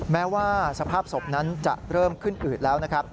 แม้ว่าสภาพศพนั้นจะเริ่มขึ้นอืดแล้วนะครับ